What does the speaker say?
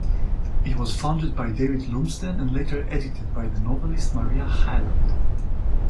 It was founded by David Lumsden and later edited by the novelist Maria Hyland.